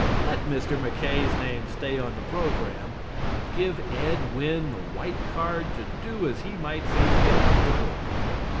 Let Mr. MacKaye's name stay on the programme, but give Ed Wynn the white card to do as he might see fit with the book.